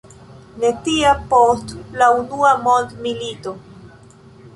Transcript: Ne tia post la unua mondmilito.